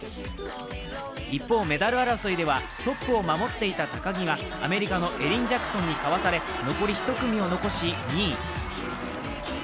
一方、メダル争いではトップを守っていた高木がアメリカのエリン・ジャクソンにかわされ、残り１組を残し、２位。